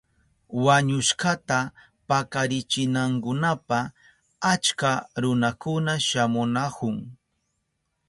Wañushkata pakarichinankunapa achka runakuna shamunahun.